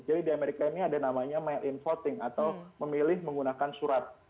jadi di amerika ini ada namanya mail in voting atau memilih menggunakan surat